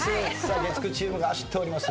月９チームが走っております。